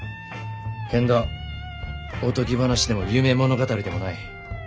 けんどおとぎ話でも夢物語でもない。